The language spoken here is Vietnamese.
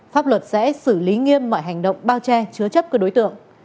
pháp luật sẽ xử lý nghiêm mọi hành động bao che chứa chấp các đối tượng